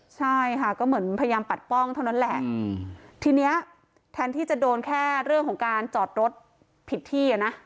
ใช่ค่ะก็เหมือนพยายามปัดป้องเท่านั้นแหละทีเนี้ยแทนที่จะโดนแค่เรื่องของการจอดรถผิดที่อ่ะนะ